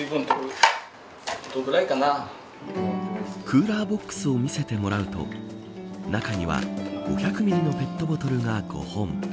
クーラーボックスを見せてもらうと中には５００ミリのペットボトルが５本。